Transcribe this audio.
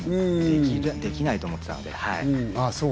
自分じゃできないと思っていたので。